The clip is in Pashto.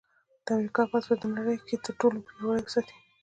د امریکا پوځ به په نړۍ کې تر ټولو پیاوړی وساتي